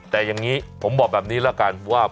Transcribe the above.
แต่อย่างนี้ผมบอกแบบนี้ละกันว่า